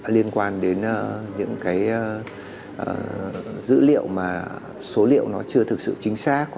liên quan đến những cái dữ liệu mà số liệu nó chưa thực sự chính xác